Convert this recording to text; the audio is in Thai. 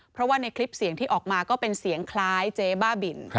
เพราะว่าในคลิปเสียงที่ออกมาก็เป็นเสียงคล้ายเจ๊บ้าบิน